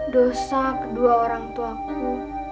dosa kedua orang tuaku